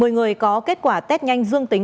một mươi người có kết quả test nhanh dương tính